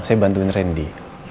saya bantuin randy